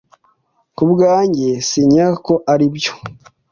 Ku bwanjye, sinkeka ko aribyo.